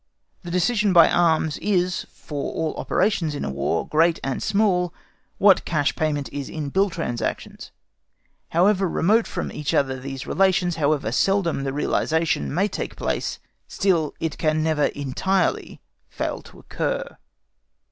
The decision by arms is, for all operations in War, great and small, what cash payment is in bill transactions. However remote from each other these relations, however seldom the realisation may take place, still it can never entirely fail to occur.